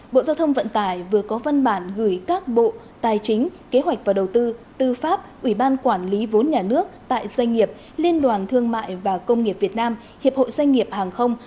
bộ giao thông vận tải vừa có văn bản gửi các bộ tài chính kế hoạch và đầu tư tư pháp ủy ban quản lý vốn nhà nước tại doanh nghiệp liên đoàn thương mại và công nghiệp việt nam hiệp hội doanh nghiệp hàng không